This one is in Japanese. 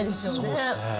そうですね。